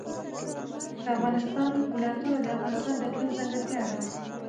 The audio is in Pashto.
د افغانستان ولايتونه د افغانستان د اقلیم ځانګړتیا ده.